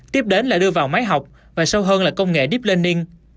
tiếp đến là đưa vào máy học và sâu hơn là công nghệ deep lenin